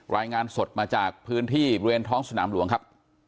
รายงานสดมาจากพื้นที่บริเวณท้องสนามหลวงครับ